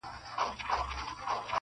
• نه را ګرځي بیا د اوسپني په ملو -